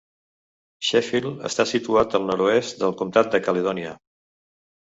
Sheffield està situat al nord-oest del comtat de Caledònia.